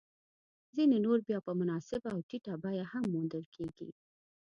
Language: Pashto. ځیني نور بیا په مناسبه او ټیټه بیه هم موندل کېږي